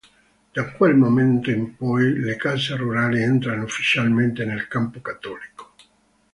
Da quel momento in poi, le casse rurali entrano ufficialmente nel campo cattolico.